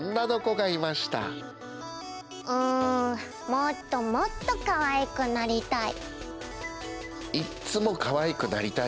もっともっとかわいくなりたい！